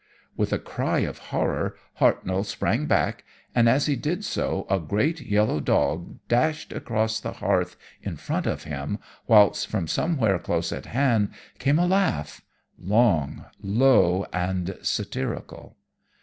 "With a cry of horror Hartnoll sprang back, and as he did so a great yellow dog dashed across the hearth in front of him, whilst from somewhere close at hand came a laugh long, low and satirical.